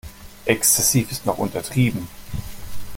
Exzessiv ist noch untertrieben.